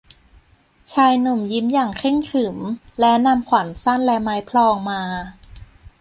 ชายหนุ่มยิ้มอย่างเคร่งขรึม และนำขวานสั้นและไม้พลองมา